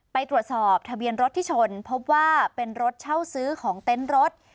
ไปตรวจสอบทะเบียนรถที่ชนพบว่าเป็นรถเช่าซื้อของเต็นต์รถ